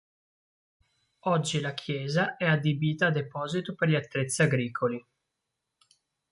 Oggi la chiesa è adibita a deposito per gli attrezzi agricoli.